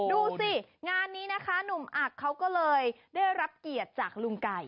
ดูสิงานนี้นะคะหนุ่มอักเขาก็เลยได้รับเกียรติจากลุงไก่